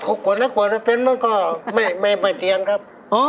หกกว่านักกวดมันเป็นมันก็ไม่ไม่ไม่เตียนครับอ๋อ